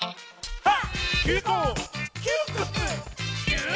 はっ！